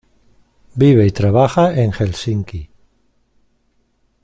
Vive y trabaja en Helsinki.